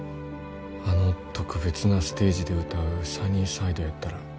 あの特別なステージで歌う「サニーサイド」やったら。